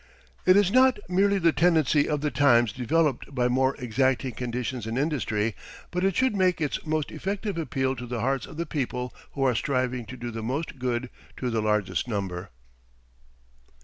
It is not merely the tendency of the times developed by more exacting conditions in industry, but it should make its most effective appeal to the hearts of the people who are striving to do the most good to the largest number.